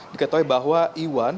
dikatakan bahwa iwan